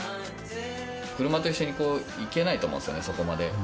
車と一緒に行けないと思うんですよね、そこまで。